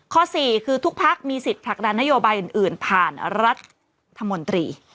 ๔คือทุกพักมีสิทธิ์ผลักดันนโยบายอื่นผ่านรัฐมนตรี